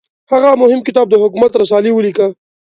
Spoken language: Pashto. هغه مهم کتاب د حکومت رسالې ولیکه.